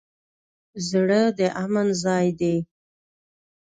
زړه د امن ځای دی.